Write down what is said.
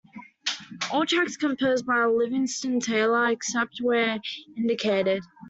All tracks composed by Livingston Taylor, except where indicated.